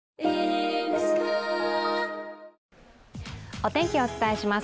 お天気、お伝えします。